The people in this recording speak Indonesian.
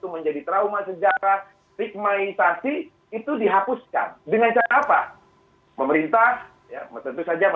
memiliki dasar hukum yang sangat kuat